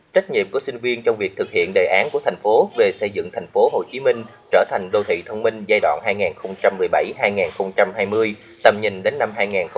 trách nhiệm của sinh viên trong việc thực hiện đề án của thành phố về xây dựng tp hcm trở thành đô thị thông minh giai đoạn hai nghìn một mươi bảy hai nghìn hai mươi tầm nhìn đến năm hai nghìn ba mươi